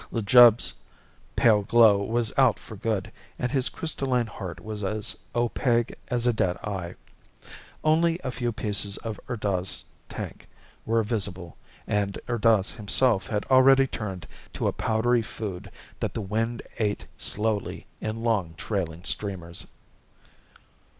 Lljub's pale glow was out for good, and his crystalline heart was as opaque as a dead eye. Only a few pieces of Urdaz's tank were visible, and Urdaz himself had already turned to a powdery food that the wind ate slowly in long trailing streamers.